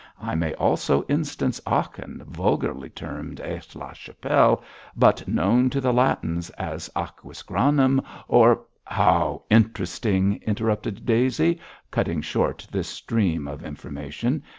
I may also instance Aachen, vulgarly termed Aix la Chapelle, but known to the Latins as Aquisgranum or ' 'How interesting!' interrupted Daisy, cutting short this stream of information.